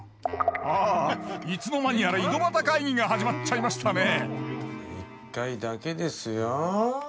あいつの間にやら井戸端会議が始まっちゃいましたね一回だけですよ。